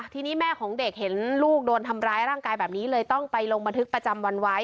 ทีนี้แม่ของเด็กเห็นลูกโดนทำร้ายร่างกายแบบนี้เลยต้องไปลงบันทึกประจำวันไว้